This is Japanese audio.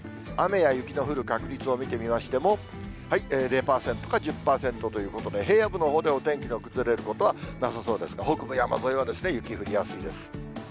雨や雪の降る確率を見てみましても、０％か１０％ということで、平野部のほうではお天気の崩れることはなさそうですが、北部、山沿いは雪降りやすいです。